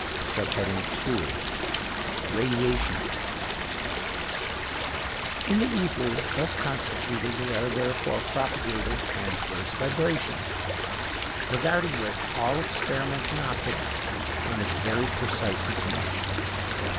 § 2. RADIATIONS In the ether thus constituted there are therefore propagated transverse vibrations, regarding which all experiments in optics furnish very precise information.